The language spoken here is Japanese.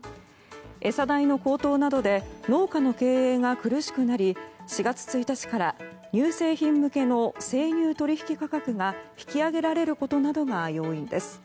餌代の高騰などで農家の経営が苦しくなり４月１日から乳製品向けの生乳取引価格が引き上げられることなどが要因です。